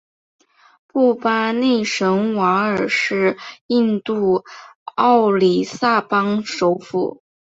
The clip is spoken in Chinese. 布巴内什瓦尔是印度奥里萨邦首府。